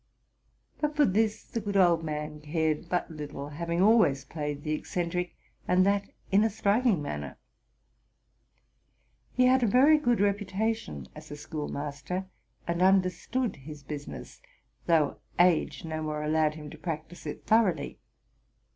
But for this the good 'old man cared but little, having always played the eccentric, and that in a striking manner. He had a very good reputation as a schoolmaster, and under stood his business; although age no more allowed him to practise it thoroughly.